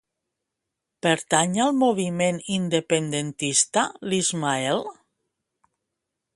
Pertany al moviment independentista l'Ismael?